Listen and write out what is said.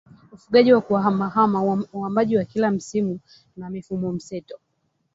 ufugaji wa kuhamahama uhamaji wa kila msimu na mifumomseto